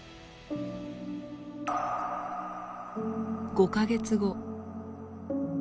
５か月後。